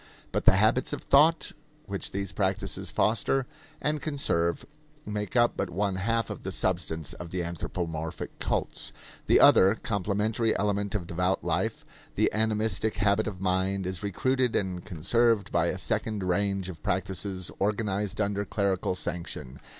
But the habits of thought which these practices foster and conserve make up but one half of the substance of the anthropomorphic cults. The other, complementary element of devout life the animistic habit of mind is recruited and conserved by a second range of practices organized under clerical sanction.